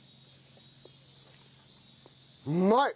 うまい！